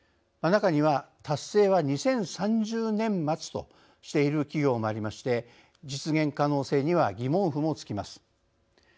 中には達成は２０３０年末としている企業もありまして実現可能性には疑問符もつきます。